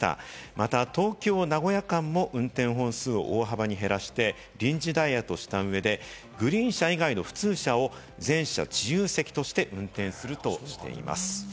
また東京−名古屋間も運転本数を大幅に減らして、臨時ダイヤとした上で、グリーン車以外の普通車を全車自由席として運転するとしています。